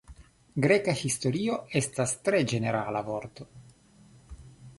Greka historio estas tre ĝenerala vorto.